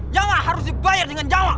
jawa harus dibayar dengan jawa